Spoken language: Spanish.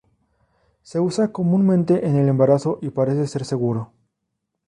Se usa comúnmente en el embarazo y parece ser seguro.